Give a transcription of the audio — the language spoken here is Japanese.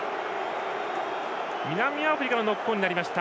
南アフリカのノックオンになりました。